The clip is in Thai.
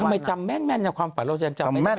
ทำไมจำแม่นความฝันเรายังจำแม่น